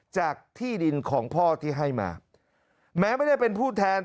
จากที่ดินของพ่อที่ให้มาแม้ไม่ได้เป็นผู้แทน